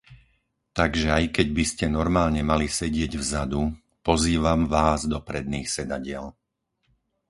Takže aj keď by ste normálne mali sedieť vzadu, pozývam vás do predných sedadiel.